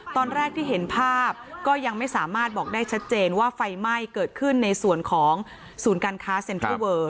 ตอนแรกที่เห็นภาพก็ยังไม่สามารถบอกได้ชัดเจนว่าไฟไหม้เกิดขึ้นในส่วนของศูนย์การค้าเซ็นทรัลเวอร์